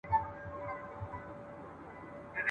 يوه ورځ سره غونډيږي !.